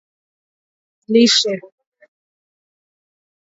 tumia kijiko cha unga wa lishe